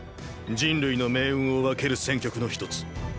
人類の命運を分ける戦局の一つ